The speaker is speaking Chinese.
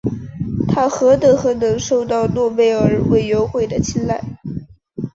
他何德何能受到诺贝尔委员会的青睐。